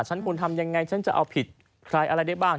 ฉันควรทำยังไงฉันจะเอาผิดใครอะไรได้บ้าง